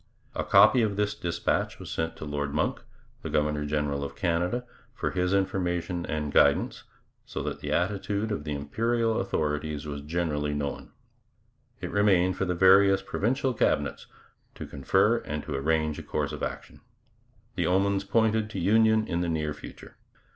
A copy of this dispatch was sent to Lord Monck, the governor general of Canada, for his information and guidance, so that the attitude of the Imperial authorities was generally known. It remained for the various provincial Cabinets to confer and to arrange a course of action. The omens pointed to union in the near future.